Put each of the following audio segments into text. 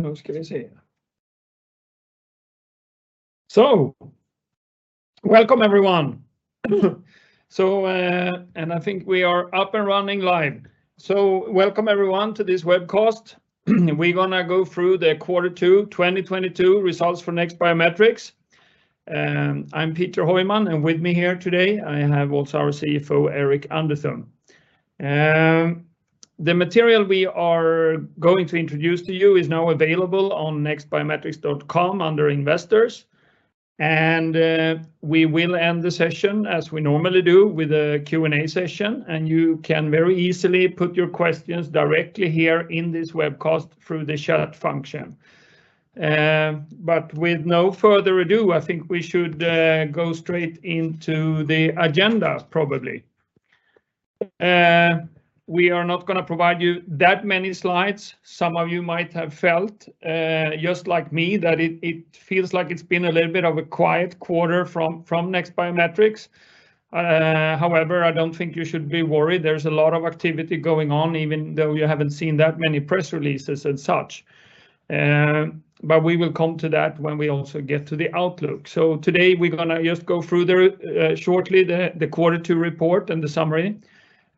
Now, let's get it here. Welcome everyone. I think we are up and running live. Welcome everyone to this webcast. We're gonna go through the Quarter Two 2022 results for NEXT Biometrics. I'm Peter Heuman, and with me here today, I have also our CFO, Eirik Underthun. The material we are going to introduce to you is now available on nextbiometrics.com under Investors. We will end the session as we normally do with a Q&A session, and you can very easily put your questions directly here in this webcast through the chat function. With no further ado, I think we should go straight into the agenda probably. We are not gonna provide you that many slides. Some of you might have felt just like me that it feels like it's been a little bit of a quiet quarter from Next Biometrics. However, I don't think you should be worried. There's a lot of activity going on even though you haven't seen that many press releases and such. We will come to that when we also get to the outlook. Today we're gonna just go through shortly the quarter two report and the summary.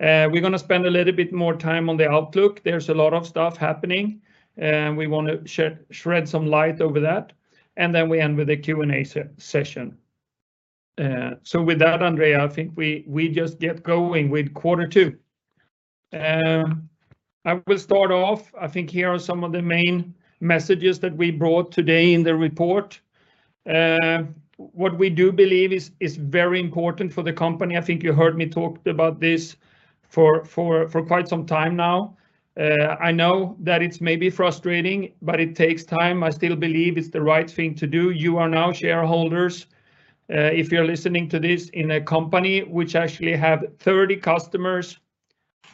We're gonna spend a little bit more time on the outlook. There's a lot of stuff happening, and we want to shed some light over that, and then we end with a Q&A session. With that, Andrea, I think we just get going with quarter two. I will start off. I think here are some of the main messages that we brought today in the report. What we do believe is very important for the company. I think you heard me talked about this for quite some time now. I know that it's maybe frustrating, but it takes time. I still believe it's the right thing to do. You are now shareholders, if you're listening to this in a company which actually have 30 customers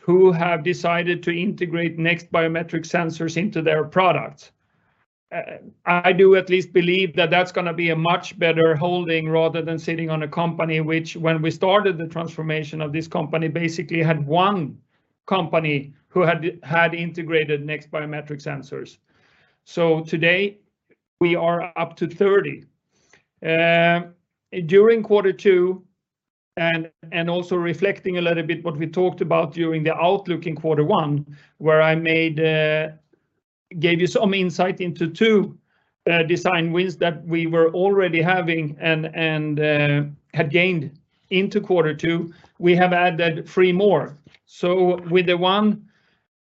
who have decided to integrate NEXT Biometrics sensors into their product. I do at least believe that that's gonna be a much better holding rather than sitting on a company which when we started the transformation of this company, basically had one company who had integrated NEXT Biometrics sensors. Today we are up to 30. During quarter two, also reflecting a little bit what we talked about during the outlook in quarter one, where I gave you some insight into two design wins that we were already having and had gained into quarter two, we have added three more. With the one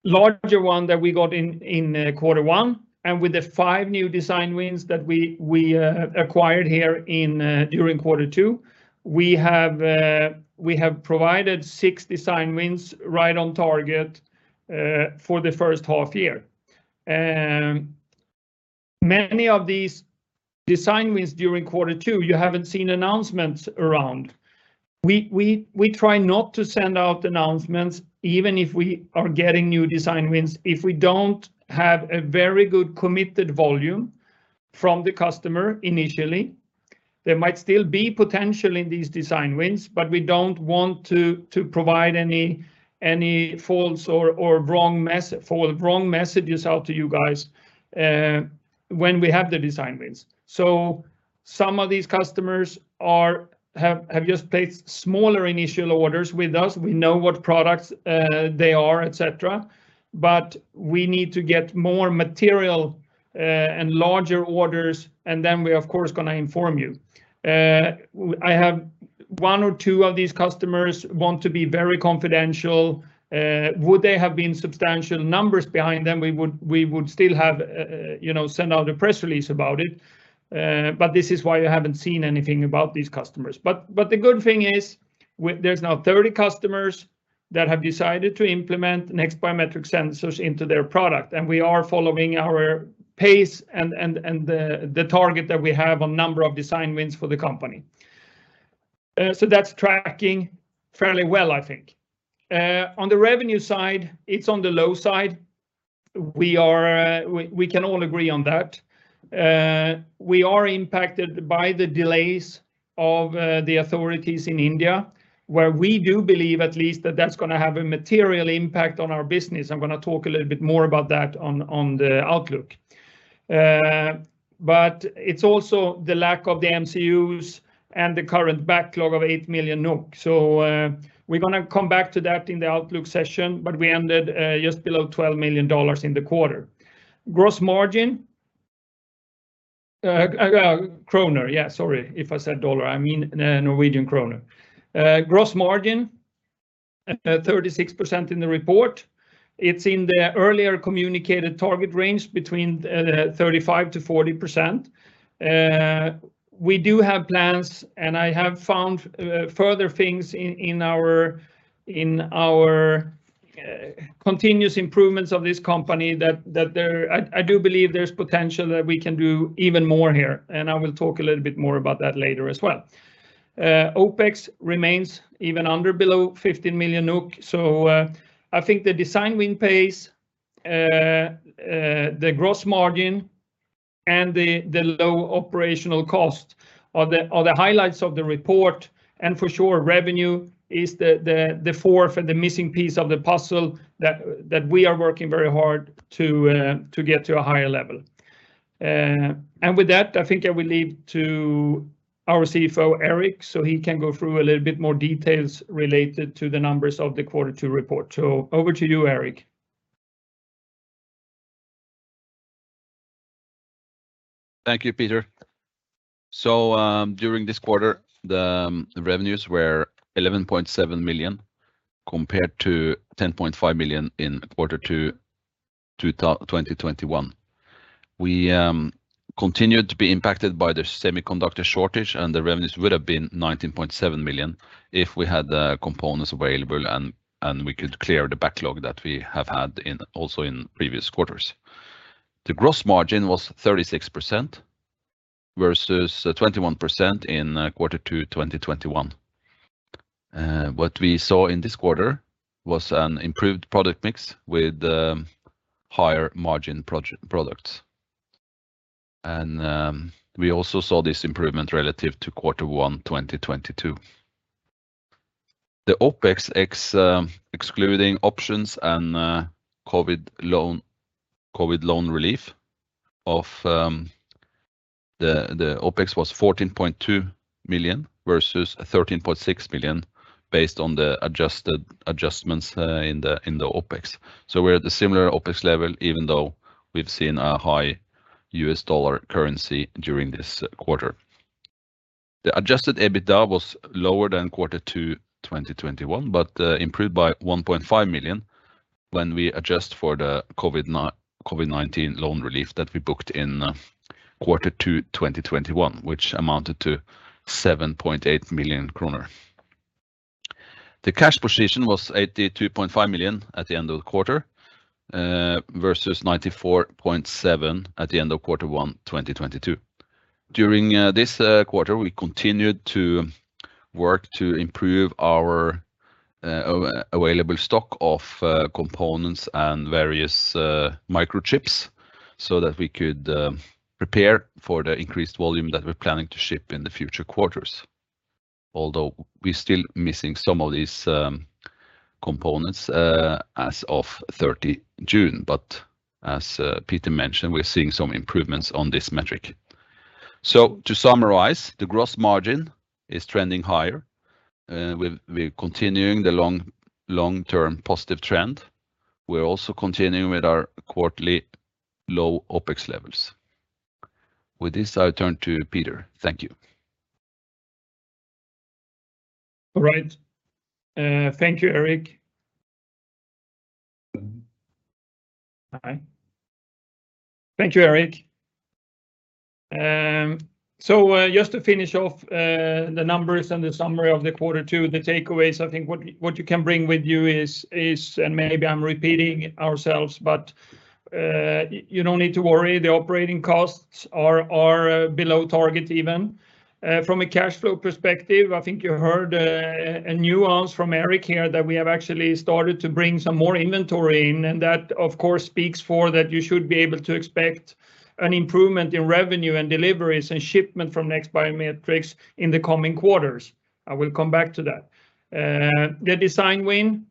larger one that we got in quarter one, and with the five new design wins that we acquired here during quarter two, we have provided six design wins right on target for the first half year. Many of these design wins during quarter two, you haven't seen announcements around. We try not to send out announcements, even if we are getting new design wins, if we don't have a very good committed volume from the customer initially. There might still be potential in these design wins, but we don't want to provide any false or wrong messages out to you guys when we have the design wins. Some of these customers have just placed smaller initial orders with us. We know what products they are, et cetera, but we need to get more material and larger orders, and then we're of course gonna inform you. I have one or two of these customers want to be very confidential. Would they have been substantial numbers behind them, we would still have you know send out a press release about it, but this is why you haven't seen anything about these customers. The good thing is there's now 30 customers that have decided to implement NEXT Biometrics sensors into their product, and we are following our pace and the target that we have on number of design wins for the company. That's tracking fairly well, I think. On the revenue side, it's on the low side. We can all agree on that. We are impacted by the delays of the authorities in India, where we do believe at least that that's gonna have a material impact on our business. I'm gonna talk a little bit more about that on the outlook. It's also the lack of the MCUs and the current backlog of 8 million NOK. We're gonna come back to that in the outlook session, but we ended just below NOK 12 million in the quarter kroner. Yeah, sorry if I said dollar, I mean Norwegian kroner. Gross margin 36% in the report. It's in the earlier communicated target range between 35%-40%. We do have plans, and I have found further things in our continuous improvements of this company that I do believe there's potential that we can do even more here, and I will talk a little bit more about that later as well. OpEx remains even below 15 million NOK. I think the design win pace, the gross margin and the low operational cost are the highlights of the report. For sure, revenue is the fourth and the missing piece of the puzzle that we are working very hard to get to a higher level. With that, I think I will leave to our CFO, Eirik, so he can go through a little bit more details related to the numbers of the quarter two report. Over to you, Eirik. Thank you, Peter. During this quarter, the revenues were 11.7 million compared to 10.5 million in quarter two, 2021. We continued to be impacted by the semiconductor shortage, and the revenues would have been 19.7 million if we had the components available and we could clear the backlog that we have had, also in previous quarters. The gross margin was 36% versus 21% in quarter two, 2021. What we saw in this quarter was an improved product mix with higher margin products. We also saw this improvement relative to quarter one, 2022. The OpEx excluding options and COVID loan relief of. The OpEx was 14.2 million versus 13.6 million based on the adjusted adjustments in the OpEx. We're at the similar OpEx level, even though we've seen a high U.S. dollar currency during this quarter. The adjusted EBITDA was lower than quarter two, 2021, but improved by 1.5 million when we adjust for the COVID-19 loan relief that we booked in quarter two, 2021, which amounted to 7.8 million kroner. The cash position was 82.5 million at the end of the quarter versus 94.7 million at the end of quarter one, 2022. During this quarter, we continued to work to improve our available stock of components and various microchips so that we could prepare for the increased volume that we're planning to ship in the future quarters. Although we're still missing some of these components as of 30 June. As Peter mentioned, we're seeing some improvements on this metric. To summarize, the gross margin is trending higher, with we're continuing the long-term positive trend. We're also continuing with our quarterly low OpEx levels. With this, I'll turn to Peter. Thank you. All right. Thank you, Eirik. Hi. Thank you, Eirik. So, just to finish off the numbers and the summary of the quarter two, the takeaways, I think what you can bring with you is, and maybe I'm repeating ourselves, but you don't need to worry. The operating costs are below target even. From a cash flow perspective, I think you heard a nuance from Eirik here that we have actually started to bring some more inventory in, and that of course speaks for that you should be able to expect an improvement in revenue and deliveries and shipment from NEXT Biometrics in the coming quarters. I will come back to that. The design win.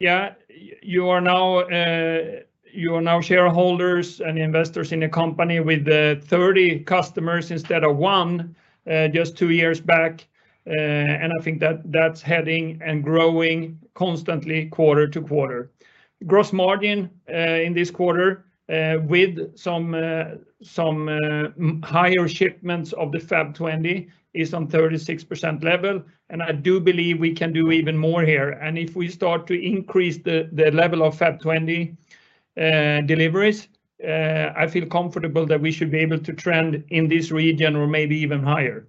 You are now shareholders and investors in a company with 30 customers instead of one, just two years back. I think that that's heading and growing constantly quarter-to-quarter. Gross margin in this quarter with some higher shipments of the FAP20 is on 36% level, and I do believe we can do even more here. If we start to increase the level of FAP20 deliveries, I feel comfortable that we should be able to trend in this region or maybe even higher.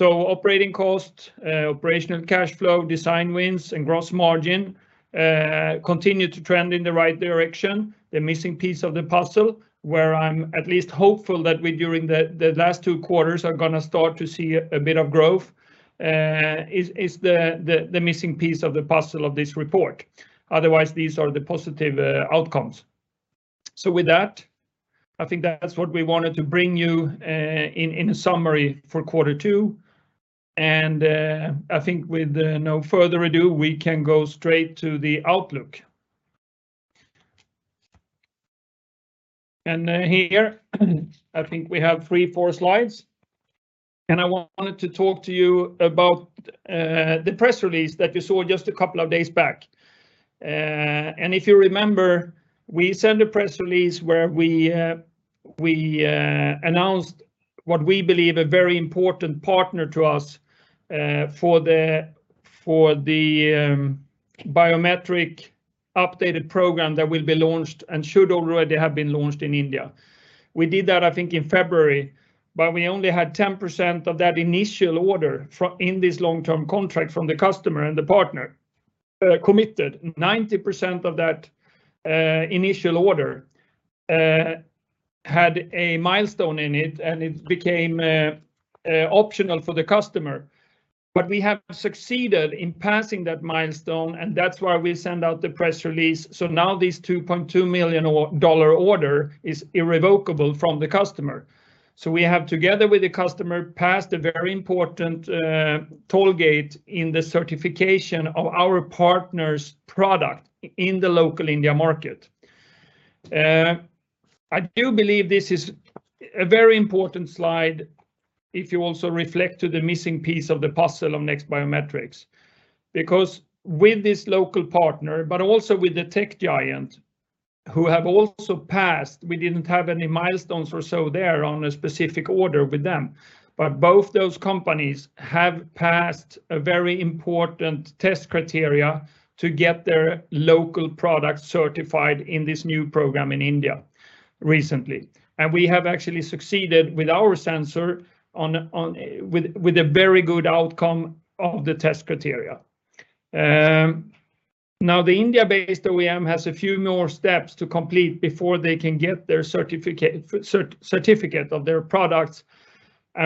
Operating cost, operational cash flow, design wins, and gross margin continue to trend in the right direction. The missing piece of the puzzle, where I'm at least hopeful that we, during the last two quarters, are gonna start to see a bit of growth, is the missing piece of the puzzle of this report. Otherwise, these are the positive outcomes. With that, I think that's what we wanted to bring you in a summary for quarter two, and I think with no further ado, we can go straight to the outlook. Here, I think we have 3 slides-4 slides, and I wanted to talk to you about the press release that you saw just a couple of days back. If you remember, we sent a press release where we announced what we believe a very important partner to us for the biometric updated program that will be launched and should already have been launched in India. We did that, I think, in February, but we only had 10% of that initial order from in this long-term contract from the customer and the partner committed. 90% of that initial order had a milestone in it, and it became optional for the customer. We have succeeded in passing that milestone, and that's why we send out the press release. Now this NOK 2.2 million order is irrevocable from the customer. We have, together with the customer, passed a very important tollgate in the certification of our partner's product in the local India market. I do believe this is a very important slide if you also reflect to the missing piece of the puzzle of NEXT Biometrics. Because with this local partner, but also with the tech giant, who have also passed, we didn't have any milestones or so there on a specific order with them. But both those companies have passed a very important test criteria to get their local product certified in this new program in India recently. We have actually succeeded with our sensor on with a very good outcome of the test criteria. Now, the India-based OEM has a few more steps to complete before they can get their certificate of their products.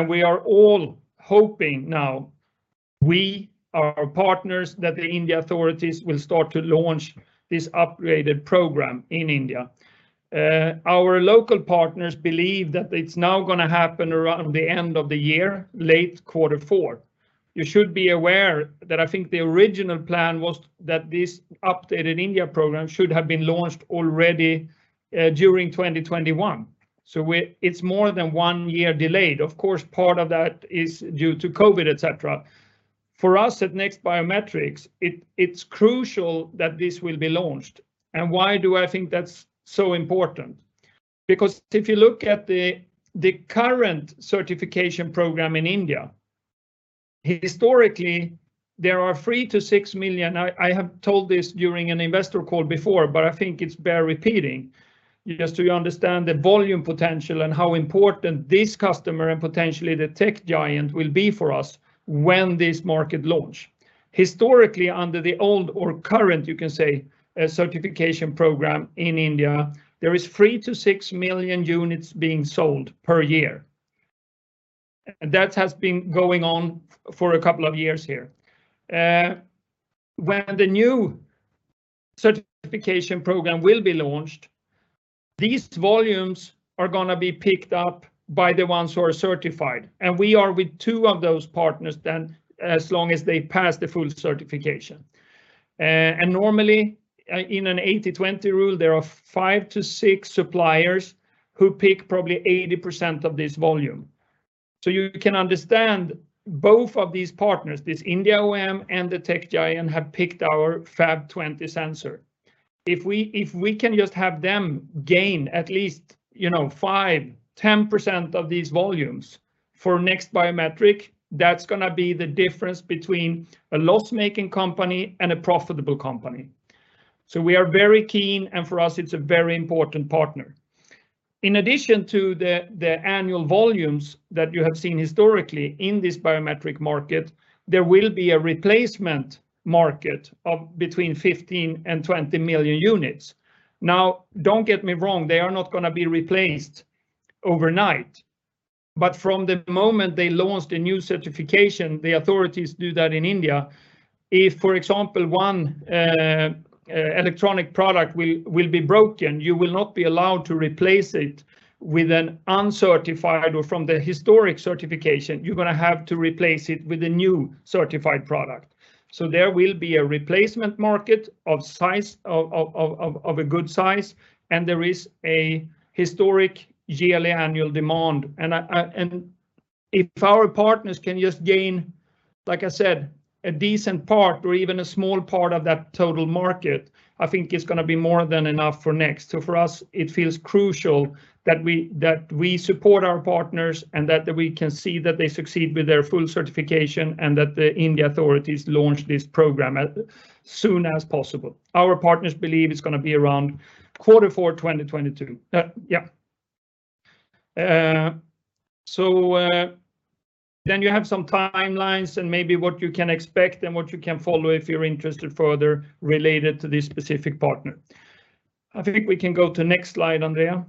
We are all hoping now, we, our partners, that the Indian authorities will start to launch this upgraded program in India. Our local partners believe that it's now gonna happen around the end of the year, late quarter four. You should be aware that I think the original plan was that this updated India program should have been launched already, during 2021. It's more than one year delayed. Of course, part of that is due to COVID-19, et cetera. For us at NEXT Biometrics, it's crucial that this will be launched. Why do I think that's so important? Because if you look at the current certification program in India, historically, there are 3million-6 million. I have told this during an investor call before, but I think it's worth repeating, just so you understand the volume potential and how important this customer and potentially the tech giant will be for us when this market launch. Historically, under the old or current, you can say, certification program in India, there are 3-6 million units being sold per year. That has been going on for a couple of years here. When the new certification program will be launched, these volumes are gonna be picked up by the Ones who are certified, and we are with two of those partners then, as long as they pass the full certification. Normally, in an 80/20 rule, there are 5-6 suppliers who pick probably 80% of this volume. You can understand both of these partners, this India OEM and the tech giant, have picked our FAP20 sensor. If we can just have them gain at least, you know, 5%-10% of these volumes for NEXT Biometrics, that's gonna be the difference between a loss-making company and a profitable company. We are very keen, and for us, it's a very important partner. In addition to the annual volumes that you have seen historically in this biometric market, there will be a replacement market of between 15 million units and 20 million units. Now, don't get me wrong, they are not gonna be replaced overnight. From the moment they launched a new certification, the authorities do that in India. If, for example, one electronic product will be broken, you will not be allowed to replace it with an uncertified or from the historic certification. You're gonna have to replace it with a new certified product. There will be a replacement market of a good size, and there is a historic yearly demand. If our partners can just gain, like I said, a decent part or even a small part of that total market, I think it's gonna be more than enough for Next. For us, it feels crucial that we support our partners, and that we can see that they succeed with their full certification, and that the Indian authorities launch this program as soon as possible. Our partners believe it's gonna be around quarter four 2022. You have some timelines and maybe what you can expect and what you can follow if you're interested further related to this specific partner. I think we can go to next slide, Andrea.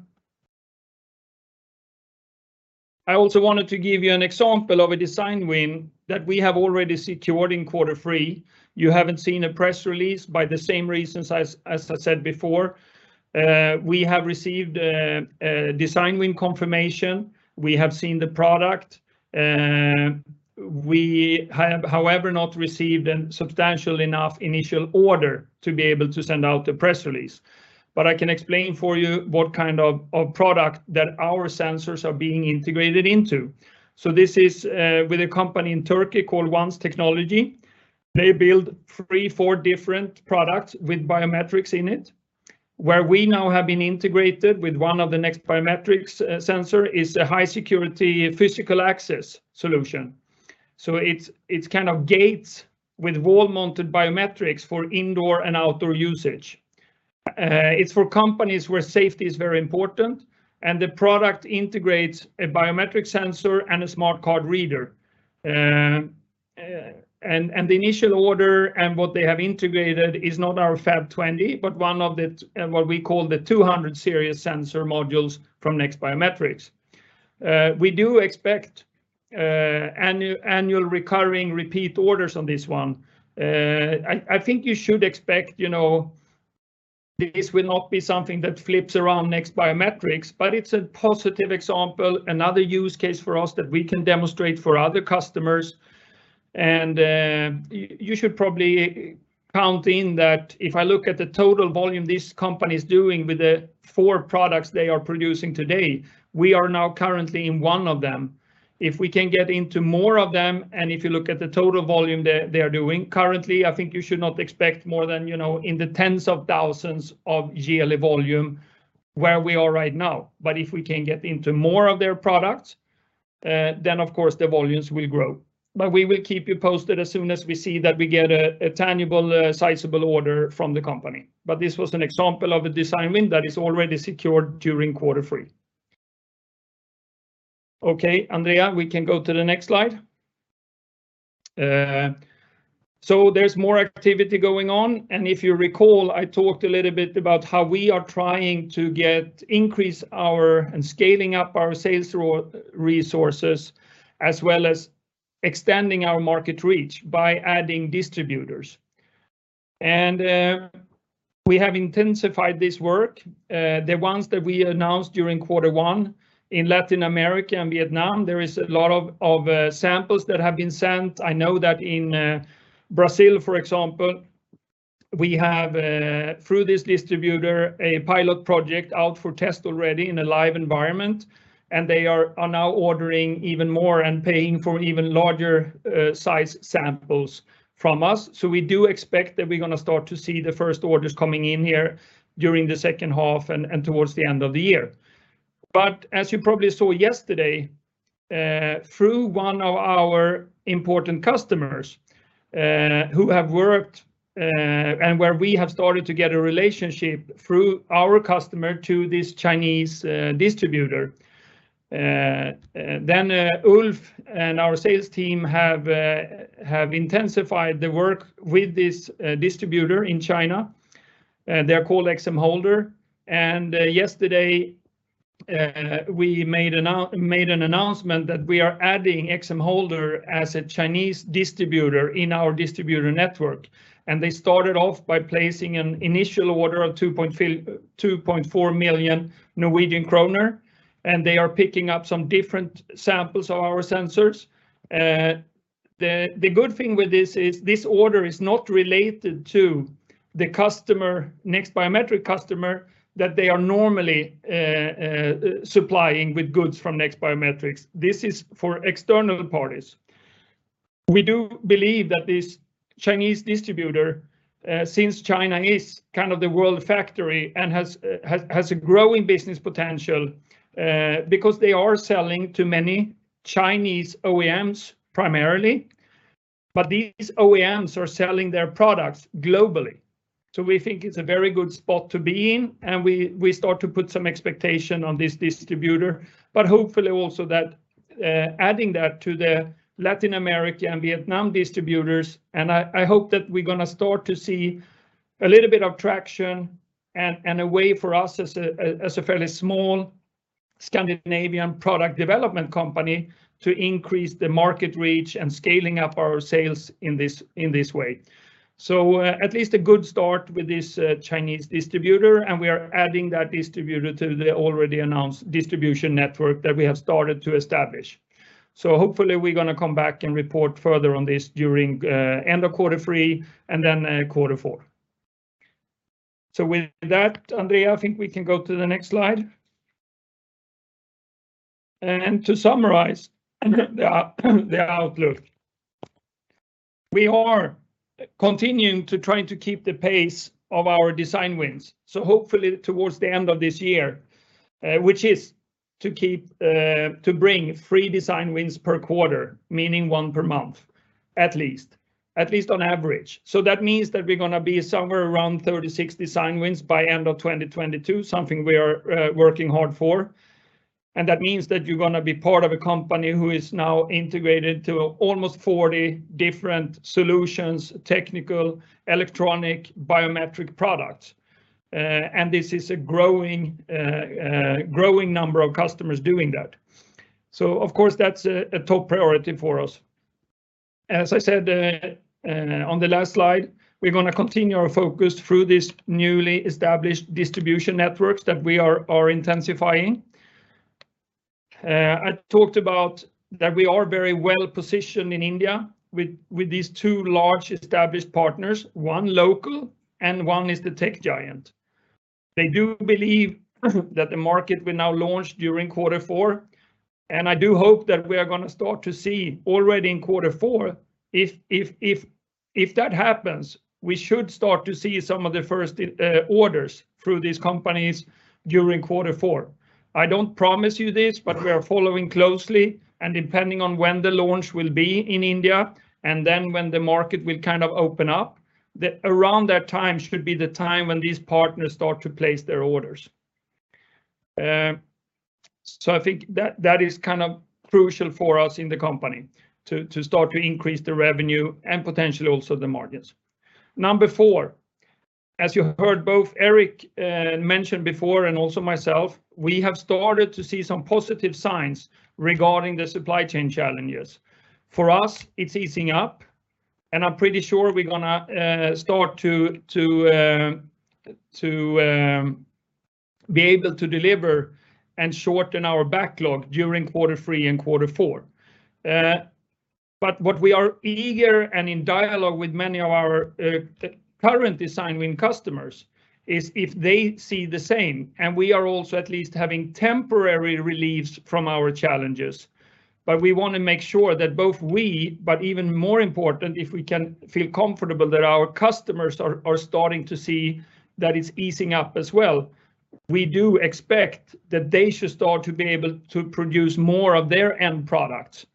I also wanted to give you an example of a design win that we have already secured in quarter three. You haven't seen a press release for the same reasons as I said before. We have received a design win confirmation. We have seen the product. We have, however, not received a substantial enough initial order to be able to send out the press release. I can explain for you what kind of product that our sensors are being integrated into. This is with a company in Turkey called Ones Technology. They build three, four different products with biometrics in it. Where we now have been integrated with one of the Next Biometrics sensor is a high-security physical access solution. It's kind of gates with wall-mounted biometrics for indoor and outdoor usage. It's for companies where safety is very important, and the product integrates a biometric sensor and a smart card reader. And the initial order and what they have integrated is not our FAP20, but one of what we call the 200 series sensor modules from Next Biometrics. We do expect annual recurring repeat orders on this one. I think you should expect. This will not be something that flips around Next Biometrics, but it's a positive example, another use case for us that we can demonstrate for other customers. You should probably count in that if I look at the total volume this company's doing with the four products they are producing today, we are now currently in one of them. If we can get into more of them, and if you look at the total volume they are doing currently, I think you should not expect more than, you know, in the tens of thousands of yearly volume where we are right now. If we can get into more of their products, then of course the volumes will grow. We will keep you posted as soon as we see that we get a tangible sizable order from the company. This was an example of a design win that is already secured during quarter three. Okay, Andrea, we can go to the next slide. There's more activity going on, and if you recall, I talked a little bit about how we are trying to increase our, and scaling up our sales through resources, as well as extending our market reach by adding distributors. We have intensified this work. The ones that we announced during quarter one in Latin America and Vietnam, there is a lot of samples that have been sent. I know that in Brazil, for example, we have through this distributor, a pilot project out for test already in a live environment, and they are now ordering even more and paying for even larger size samples from us. We do expect that we're gonna start to see the first orders coming in here during the second half and towards the end of the year. As you probably saw yesterday through one of our important customers, who have worked and where we have started to get a relationship through our customer to this Chinese distributor, then Ulf and our sales team have intensified the work with this distributor in China. They're called XM Holder. Yesterday, we made an announcement that we are adding XM Holder as a Chinese distributor in our distributor network. They started off by placing an initial order of 2.4 million Norwegian kroner, and they are picking up some different samples of our sensors. The good thing with this is this order is not related to the NEXT Biometrics customer that they are normally supplying with goods from NEXT Biometrics. This is for external parties. We do believe that this Chinese distributor, since China is kind of the world factory and has a growing business potential, because they are selling to many Chinese OEMs primarily, but these OEMs are selling their products globally. We think it's a very good spot to be in, and we start to put some expectation on this distributor. Hopefully also that adding that to the Latin America and Vietnam distributors, and I hope that we're gonna start to see a little bit of traction and a way for us as a fairly small Scandinavian product development company to increase the market reach and scaling up our sales in this way. At least a good start with this Chinese distributor, and we are adding that distributor to the already announced distribution network that we have started to establish. Hopefully we're gonna come back and report further on this during end of quarter three and then quarter four. With that, Andrea, I think we can go to the next slide. To summarize the outlook, we are continuing to trying to keep the pace of our design wins. Hopefully towards the end of this year, to bring three design wins per quarter, meaning one per month at least on average. That means that we're gonna be somewhere around 36 design wins by end of 2022, something we are working hard for. That means that you're gonna be part of a company who is now integrated to almost 40 different solutions, technical, electronic, biometric products. This is a growing number of customers doing that. Of course, that's a top priority for us. As I said, on the last slide, we're gonna continue our focus through this newly established distribution networks that we are intensifying. I talked about that we are very well-positioned in India with these two large established partners, one local and one is the tech giant. They do believe that the market will now launch during quarter four, and I do hope that we are gonna start to see already in quarter four if that happens, we should start to see some of the first orders through these companies during quarter four. I don't promise you this, but we are following closely, and depending on when the launch will be in India, and then when the market will kind of open up, around that time should be the time when these partners start to place their orders. I think that is kind of crucial for us in the company to start to increase the revenue and potentially also the margins. Number four, as you heard both Eirik mention before and also myself, we have started to see some positive signs regarding the supply chain challenges. For us, it's easing up. I'm pretty sure we're gonna start to be able to deliver and shorten our backlog during quarter three and quarter four. What we are eager and in dialogue with many of our current design win customers is if they see the same, and we are also at least having temporary reliefs from our challenges. We wanna make sure that both we, but even more important, if we can feel comfortable that our customers are starting to see that it's easing up as well. We do expect that they should start to be able to produce more of their end products.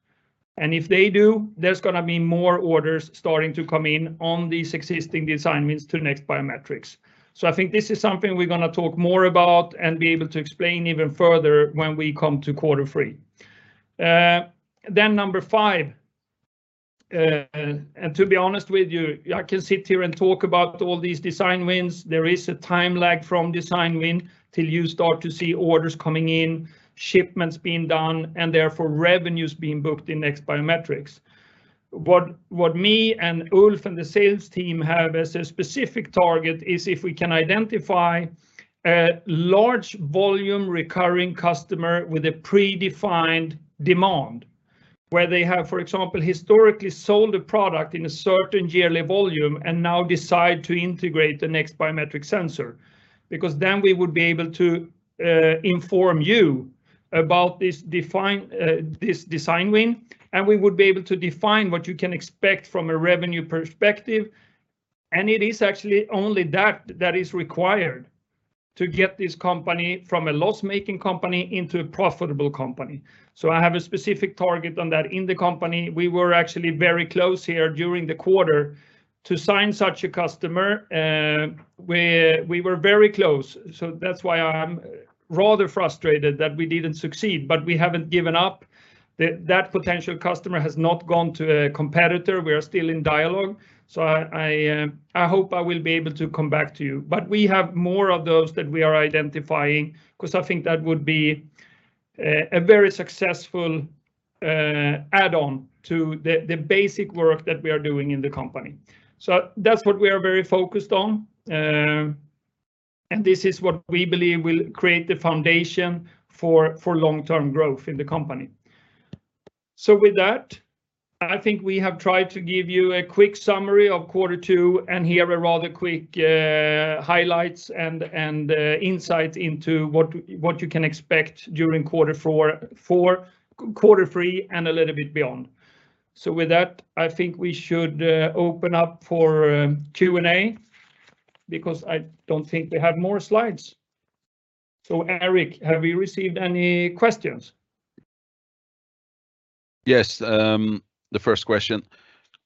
If they do, there's gonna be more orders starting to come in on these existing design wins to NEXT Biometrics. I think this is something we're gonna talk more about and be able to explain even further when we come to quarter three. Number five, and to be honest with you, I can sit here and talk about all these design wins. There is a time lag from design win till you start to see orders coming in, shipments being done, and therefore revenues being booked in NEXT Biometrics. What me and Ulf and the sales team have as a specific target is if we can identify a large volume recurring customer with a predefined demand, where they have, for example, historically sold a product in a certain yearly volume and now decide to integrate the NEXT Biometrics sensor. Because then we would be able to inform you about this design win, and we would be able to define what you can expect from a revenue perspective, and it is actually only that that is required to get this company from a loss-making company into a profitable company. I have a specific target on that in the company. We were actually very close here during the quarter to sign such a customer, where we were very close. That's why I'm rather frustrated that we didn't succeed, but we haven't given up. That potential customer has not gone to a competitor. We are still in dialogue. I hope I will be able to come back to you. We have more of those that we are identifying because I think that would be a very successful add-on to the basic work that we are doing in the company. That's what we are very focused on, and this is what we believe will create the foundation for long-term growth in the company. With that, I think we have tried to give you a quick summary of quarter two and here a rather quick highlights and insights into what you can expect during quarter four, quarter three, and a little bit beyond. With that, I think we should open up for Q&A because I don't think we have more slides. Eirik, have you received any questions? Yes, the first question.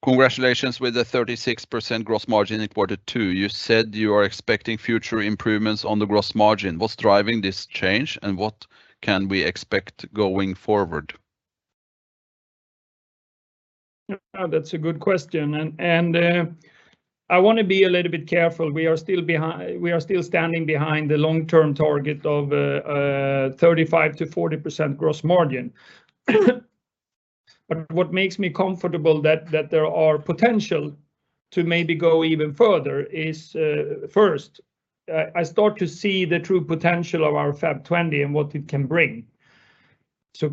Congratulations with the 36% gross margin in quarter two. You said you are expecting future improvements on the gross margin. What's driving this change, and what can we expect going forward? Yeah, that's a good question. I wanna be a little bit careful. We are still standing behind the long-term target of a 35%-40% gross margin. What makes me comfortable that there are potential to maybe go even further is, first, I start to see the true potential of our FAP 20 and what it can bring.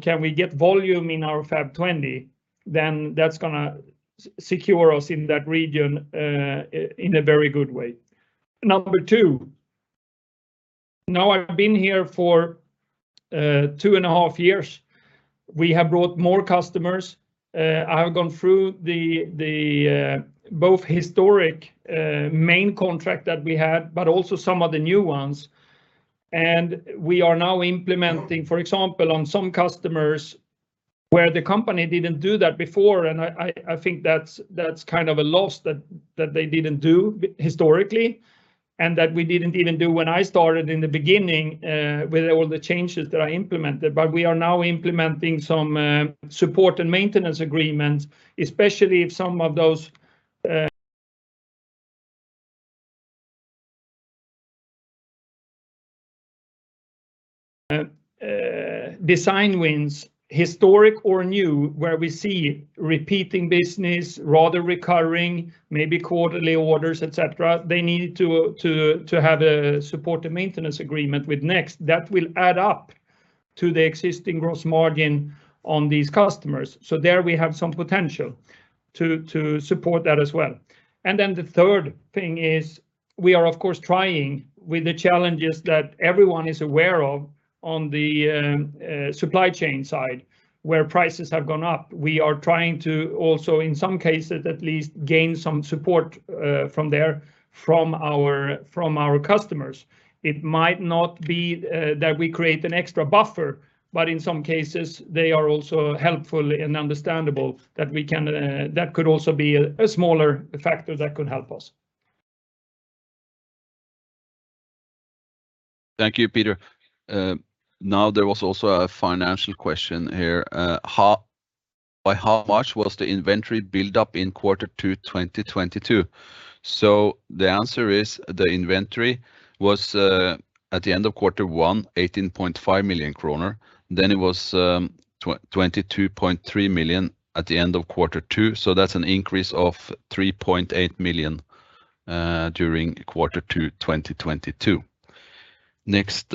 Can we get volume in our FAP 20, then that's gonna secure us in that region, in a very good way. Number two, now I've been here for two and a half years. We have brought more customers. I've gone through the both historic main contract that we had, but also some of the new ones. We are now implementing, for example, on some customers where the company didn't do that before, and I think that's kind of a loss that they didn't do historically, and that we didn't even do when I started in the beginning, with all the changes that I implemented. We are now implementing some support and maintenance agreements, especially if some of those design wins, historic or new, where we see repeating business, rather recurring, maybe quarterly orders, et cetera, they need to have a support and maintenance agreement with NEXT. That will add up to the existing gross margin on these customers. There we have some potential to support that as well. The third thing is we are of course trying with the challenges that everyone is aware of on the supply chain side, where prices have gone up. We are trying to also, in some cases at least, gain some support from there, from our customers. It might not be that we create an extra buffer, but in some cases, they are also helpful and understandable that could also be a smaller factor that could help us. Thank you, Peter. Now there was also a financial question here. By how much was the inventory build up in quarter two 2022? The answer is the inventory was at the end of quarter one, 18.5 million kroner. It was 22.3 million at the end of quarter two. That's an increase of 3.8 million during quarter two 2022. Next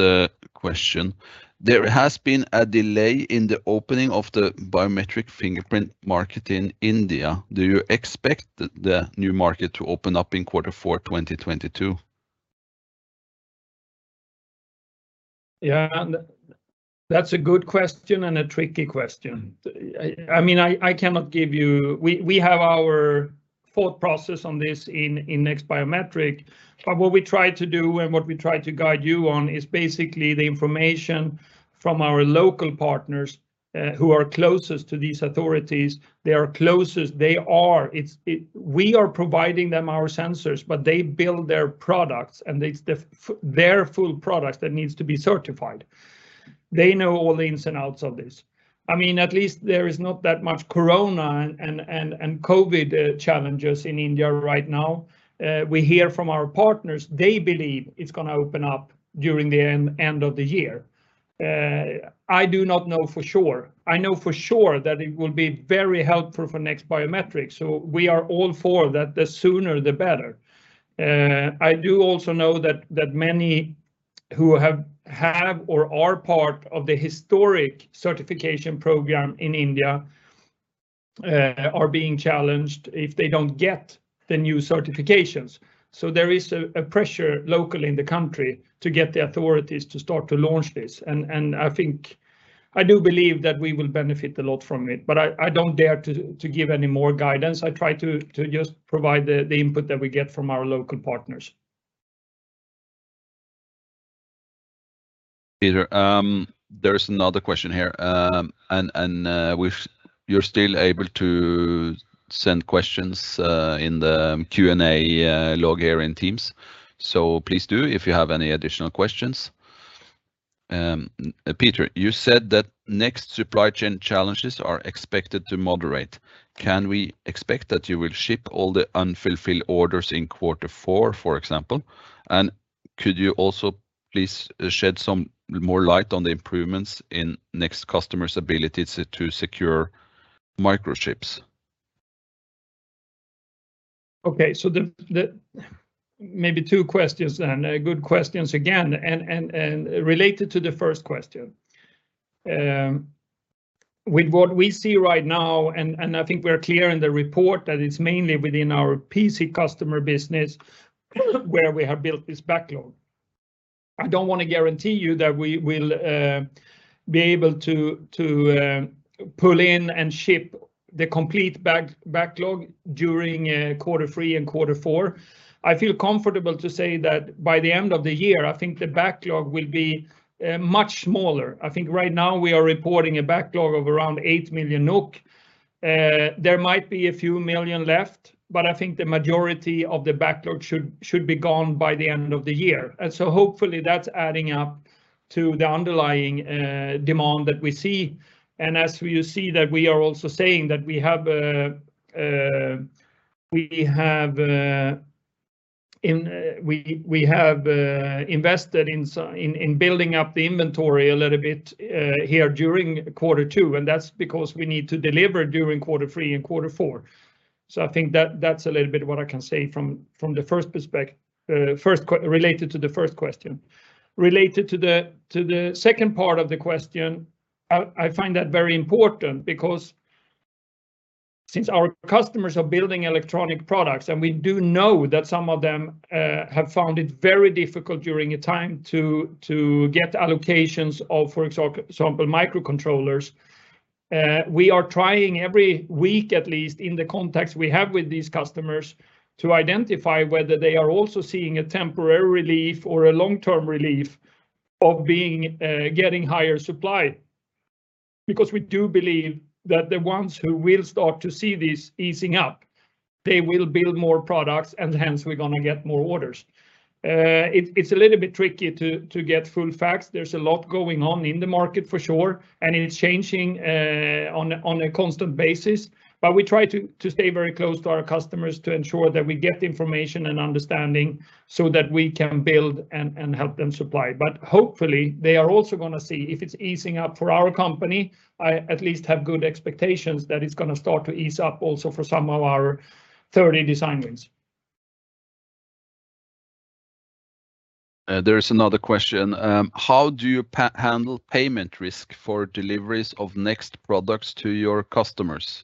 question, there has been a delay in the opening of the biometric fingerprint market in India. Do you expect the new market to open up in quarter four 2022? That's a good question and a tricky question. I mean, I cannot give you. We have our thought process on this in NEXT Biometrics. What we try to do and what we try to guide you on is basically the information from our local partners who are closest to these authorities. They are closest. We are providing them our sensors, but they build their products, and it's their full product that needs to be certified. They know all the ins and outs of this. I mean, at least there is not that much Corona and COVID challenges in India right now. We hear from our partners they believe it's gonna open up during the end of the year. I do not know for sure. I know for sure that it will be very helpful for NEXT Biometrics. We are all for that the sooner the better. I do also know that many who have or are part of the historic certification program in India are being challenged if they don't get the new certifications. There is a pressure locally in the country to get the authorities to start to launch this. I think I do believe that we will benefit a lot from it, but I don't dare to give any more guidance. I try to just provide the input that we get from our local partners. Peter, there is another question here. And you're still able to send questions in the Q&A log here in Teams. So please do if you have any additional questions. Peter, you said that NEXT supply chain challenges are expected to moderate. Can we expect that you will ship all the unfulfilled orders in quarter four, for example? Could you also please shed some more light on the improvements in NEXT customers' ability to secure microchips? Okay. Maybe two questions and good questions again. Related to the first question, with what we see right now, I think we're clear in the report that it's mainly within our PC customer business where we have built this backlog. I don't wanna guarantee you that we will be able to pull in and ship the complete backlog during quarter three and quarter four. I feel comfortable to say that by the end of the year, I think the backlog will be much smaller. I think right now we are reporting a backlog of around 8 million NOK. There might be a few million NOK left, but I think the majority of the backlog should be gone by the end of the year. Hopefully that's adding up to the underlying demand that we see. As you see that we are also saying that we have invested in building up the inventory a little bit here during quarter two, and that's because we need to deliver during quarter three and quarter four. I think that's a little bit what I can say from the first related to the first question. Related to the second part of the question, I find that very important because since our customers are building electronic products and we do know that some of them have found it very difficult during a time to get allocations of, for example, microcontrollers, we are trying every week, at least in the contacts we have with these customers, to identify whether they are also seeing a temporary relief or a long-term relief of being getting higher supply. Because we do believe that the ones who will start to see this easing up, they will build more products, and hence we're gonna get more orders. It's a little bit tricky to get full facts. There's a lot going on in the market for sure, and it's changing on a constant basis. We try to stay very close to our customers to ensure that we get the information and understanding so that we can build and help them supply. Hopefully, they are also gonna see if it's easing up for our company. I at least have good expectations that it's gonna start to ease up also for some of our 30 design wins. There is another question. How do you handle payment risk for deliveries of NEXT products to your customers?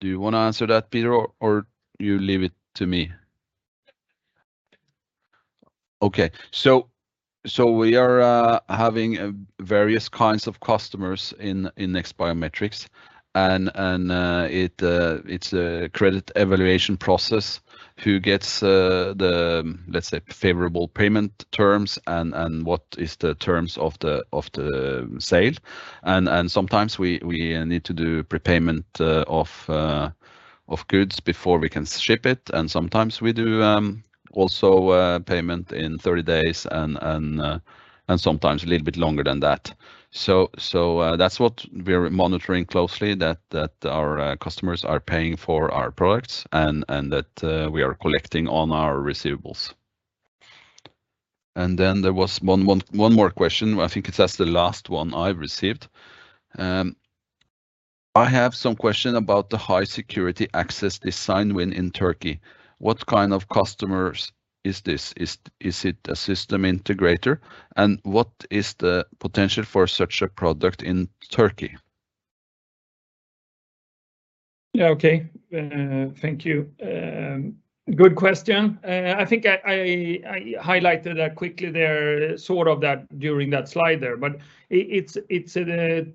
Do you wanna answer that, Peter, or you leave it to me? Okay. We are having various kinds of customers in NEXT Biometrics. It is a credit evaluation process who gets the let's say favorable payment terms and what is the terms of the sale. Sometimes we need to do prepayment of goods before we can ship it, and sometimes we do payment in 30 days and sometimes a little bit longer than that. That is what we are monitoring closely that our customers are paying for our products and that we are collecting on our receivables. There was one more question. I think it's the last one I received. I have a question about the high security access design win in Turkey. What kind of customers is this? Is it a system integrator? What is the potential for such a product in Turkey? Thank you. Good question. I think I highlighted that quickly, sort of, during that slide there. It's a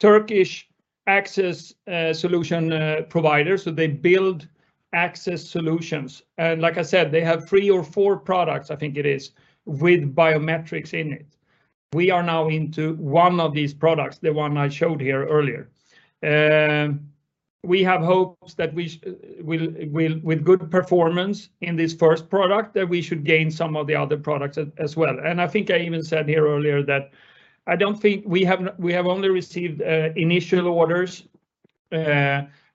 Turkish access solution provider, so they build access solutions. Like I said, they have three or four products, I think, with biometrics in it. We are now into one of these products, the one I showed here earlier. We have hopes that with good performance in this first product, we should gain some of the other products as well. I think I even said here earlier that we have only received initial orders.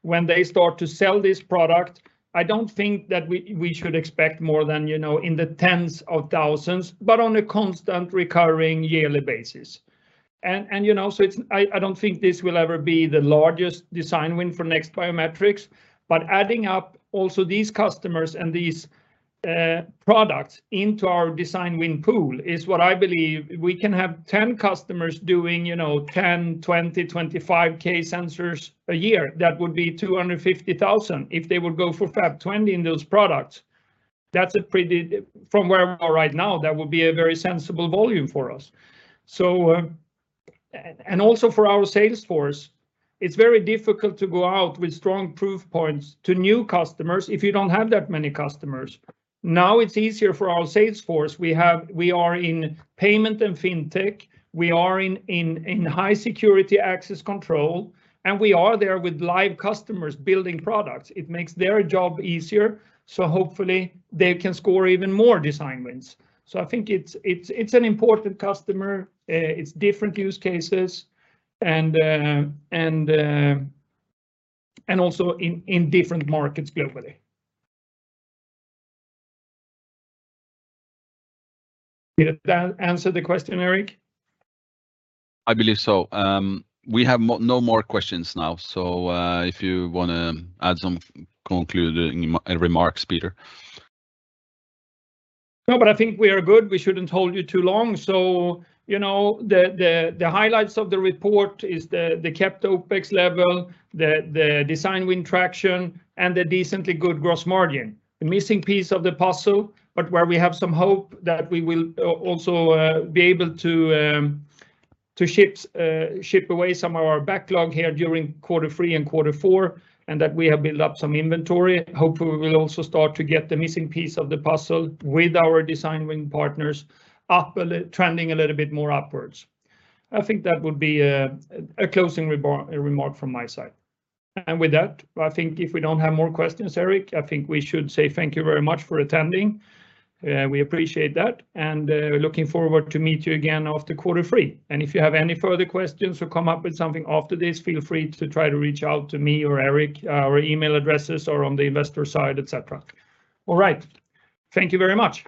When they start to sell this product, I don't think that we should expect more than, you know, in the tens of thousands, but on a constant recurring yearly basis. You know, it's I don't think this will ever be the largest design win for NEXT Biometrics, but adding up also these customers and these products into our design win pool is what I believe we can have 10 customers doing, you know, 10, 20, 25,000 sensors a year. That would be 250,000 if they would go for FAP 20 in those products. That's a pretty. From where we are right now, that would be a very sensible volume for us. Also for our sales force, it's very difficult to go out with strong proof points to new customers if you don't have that many customers. Now, it's easier for our sales force. We are in payment and fintech. We are in high security access control, and we are there with live customers building products. It makes their job easier, so hopefully they can score even more design wins. I think it's an important customer. It's different use cases and also in different markets globally. Did that answer the question, Eirik? I believe so. We have no more questions now, so if you wanna add some concluding remarks, Peter. No, I think we are good. We shouldn't hold you too long. You know, the highlights of the report is the capped OpEx level, the design win traction, and the decently good gross margin. The missing piece of the puzzle, where we have some hope that we will also be able to ship away some of our backlog here during quarter three and quarter four, and that we have built up some inventory. Hopefully, we will also start to get the missing piece of the puzzle with our design win partners trending a little bit more upwards. I think that would be a closing remark from my side. With that, I think if we don't have more questions, Eirik, I think we should say thank you very much for attending. We appreciate that, and looking forward to meet you again after quarter three. If you have any further questions or come up with something after this, feel free to try to reach out to me or Eirik. Our email addresses are on the investor side, et cetera. All right. Thank you very much.